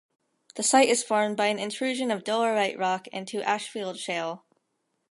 The site is formed by an intrusion of dolerite rock into Ashfield Shale.